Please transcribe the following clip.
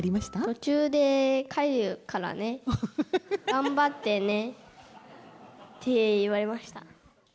途中で帰るからね、頑張ってねって言われました。